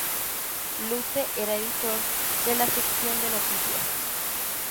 Luce era editor de la sección de noticias.